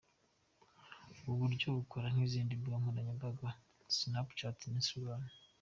Ubwo buryo bukora nk'izindi mbuga nkoranyambaga za Snapchat na Instagram.